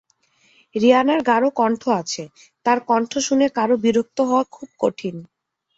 রিয়ানার গাঢ় কণ্ঠ আছে, তার কণ্ঠ শুনে কারও বিরক্ত হওয়া খুব কঠিন।